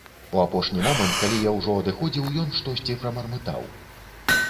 У апошні момант, калі я ўжо адыходзіў, ён штосьці прамармытаў.